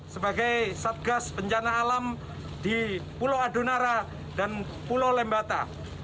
sebagai satgas bencana alam di pulau adunara dan pulau lembata